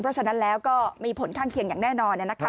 เพราะฉะนั้นแล้วก็มีผลข้างเคียงอย่างแน่นอน